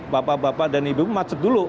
bapak bapak dan ibu ibu macet dulu